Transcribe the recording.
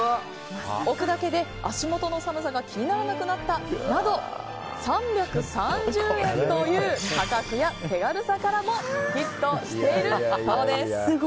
置くだけで、足元の寒さが気にならなくなったなど３３０円という価格や手軽さからもヒットしているそうです。